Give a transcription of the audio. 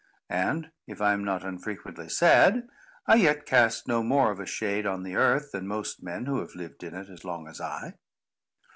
And if I am not unfrequently sad, I yet cast no more of a shade on the earth, than most men who have lived in it as long as I.